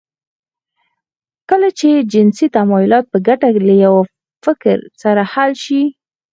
کله چې جنسي تمايلات په ګډه له يوه فکر سره حل شي.